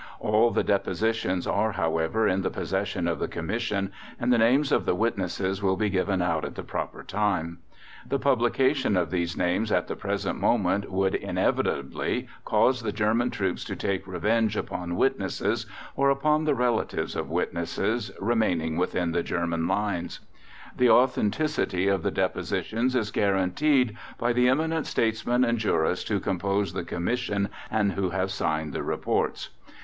All the depositions are, however, in the possession of the Commission and the names of the witnesses will be given out at the proper time. The publication of these names at the present moment would, inevitably, cause the German troops to take revenge upon witnesses, or upon the relatives of witnesses, remaining within the German lines. The authenticity of the depositions is guaranteed by the eminent Statesmen and Jurists who compose the Commission and who have signed the Reports.